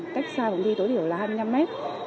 cách xa phòng thi tối thiểu là hai mươi năm mét